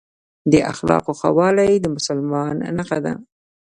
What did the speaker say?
د اخلاقو ښه والي د مسلمان نښه ده.